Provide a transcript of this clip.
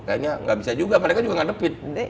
kayaknya nggak bisa juga mereka juga ngadepit